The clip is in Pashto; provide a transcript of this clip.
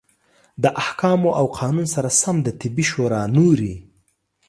د احکامو او قانون سره سم د طبي شورا نورې